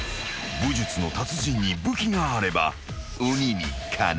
［武術の達人に武器があれば鬼に金棒だ］